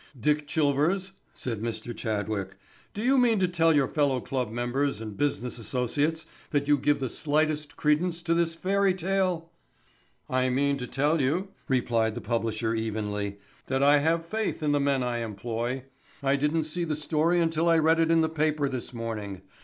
"Dick Chilvers," said Mr. Chadwick, "do you mean to tell your fellow club members and business associates that you give the slightest credence to this fairy tale?" "I mean to tell you," replied the publisher evenly, "that I have faith in the men I employ. I didn't see the story until I read it in the paper this morning.